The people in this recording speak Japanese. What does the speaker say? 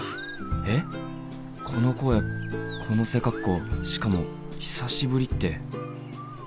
えっこの声この背格好しかも「久しぶり」ってこれがケン？